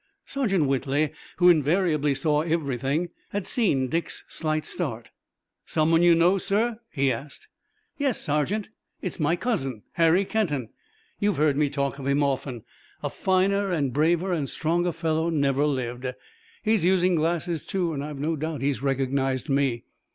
Sergeant Whitley, who invariably saw everything, had seen Dick's slight start. "Someone you know, sir?" he asked. "Yes, sergeant. It's my cousin, Harry Kenton. You've heard me talk of him often. A finer and braver and stronger fellow never lived. He's using glasses too and I've no doubt he's recognized me."